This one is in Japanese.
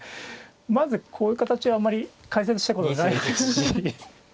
まずこういう形はあんまり解説したことないですし。